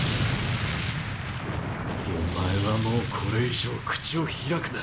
お前はもうこれ以上口を開くな。